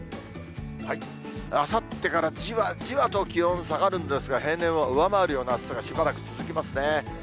あさってからじわじわと気温下がるんですが、平年を上回るような暑さがしばらく続きますね。